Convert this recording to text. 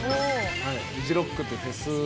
フジロックっていうフェス。